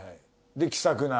で気さくな。